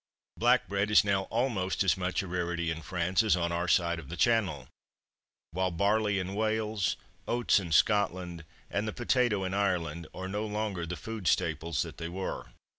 Black bread is now almost as much a rarity in France as on our side of the Channel; while barley in Wales, oats in Scotland, and the potato in Ireland, are no longer the food staples that they were."